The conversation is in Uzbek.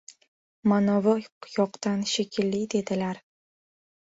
— Manovi yoqdan shekilli… — dedilar.